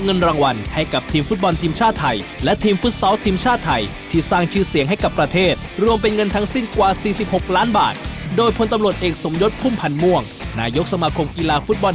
เราไปอัปเดตข่าวฟุตบอลไทยประจำสัปดาห์ก่อนดีกว่าครับ